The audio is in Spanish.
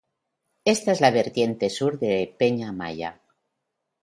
Está en la vertiente sur de Peña Amaya.